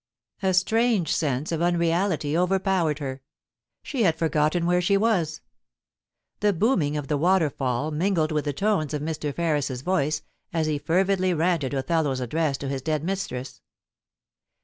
A strange sense of unreality overpowered her. She had forgotten where she was. The booming of the waterfall, mingled with the tones of Mr. Ferris's voice, as he fervidly ranted Othello's address to his dead mistress.